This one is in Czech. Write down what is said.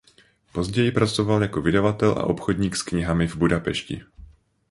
Později pracoval jako vydavatel a obchodník s knihami v Budapešti.